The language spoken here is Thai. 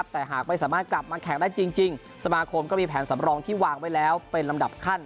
แต่หากไม่สามารถกลับมาแข่งได้จริงสมาคมก็มีแผนสำรองที่วางไว้แล้วเป็นลำดับขั้น